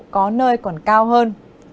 có nơi còn cao hơn